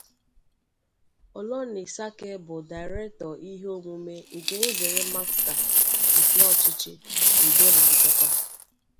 Olonisakin bụ Daịrektọ ihe omume nke nzere masta nke ọchịchị, udo na nchekwa.